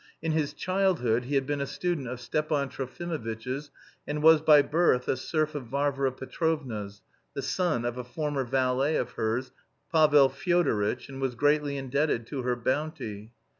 In his childhood he had been a student of Stepan Trofimovitch's and was by birth a serf of Varvara Petrovna's, the son of a former valet of hers, Pavel Fyodoritch, and was greatly indebted to her bounty.